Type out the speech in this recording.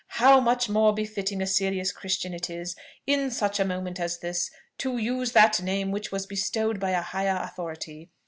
How much more befitting a serious Christian is it, in such a moment as this, to use that name which was bestowed by a higher authority!